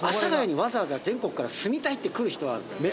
全国から住みたいって来る人は。